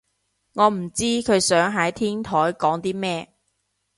我唔知佢想喺天台講啲咩